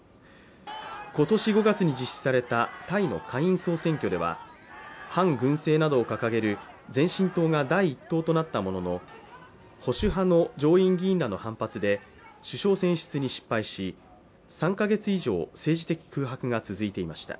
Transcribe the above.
今年５月に実施されたタイの下院総選挙では、反軍政などを掲げる前進党が第１党となったものの保守派の上院議員らの反発で首相選出に失敗し３か月以上、政治的空白が続いていました。